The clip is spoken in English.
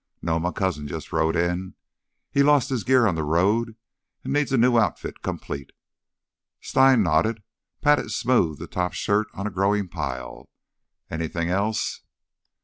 "No. My cousin just rode in; he lost his gear on the road and needs a new outfit complete." Stein nodded, patted smooth the top shirt on a growing pile. "Anything else?"